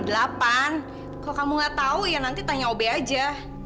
kalau kamu nggak tahu ya nanti tanya obe aja